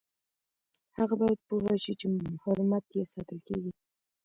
هغه باید پوه شي چې حرمت یې ساتل کیږي.